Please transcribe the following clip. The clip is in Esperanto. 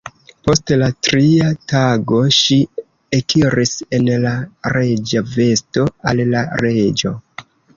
Post la tria tago ŝi ekiris en la reĝa vesto al la reĝo.